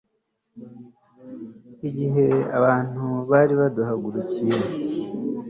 igihe abantu bari baduhagurukiye